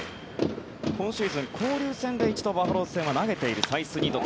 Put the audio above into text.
今シーズン、交流戦で一度バファローズ戦は投げているサイスニード。